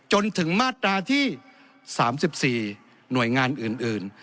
หน่วยงานอื่น